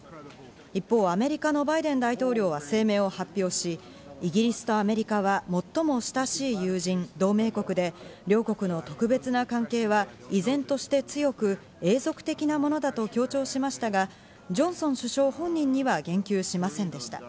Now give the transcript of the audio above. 一方、アメリカのバイデン大統領は声明を発表し、イギリスとアメリカは最も親しい友人、同盟国で両国の特別な関係は依然として強く、永続的なものだと強調しましたが、ジョンソン首相本人には言及しませんでした。